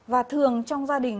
và thường trong gia đình